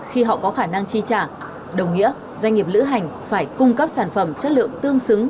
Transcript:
khi họ có khả năng chi trả đồng nghĩa doanh nghiệp lữ hành phải cung cấp sản phẩm chất lượng tương xứng